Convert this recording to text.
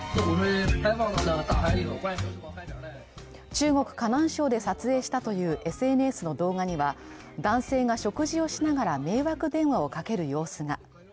中国・河南省で撮影したというＳＮＳの動画には男性が食事をかけながら迷惑電話をかける様子が。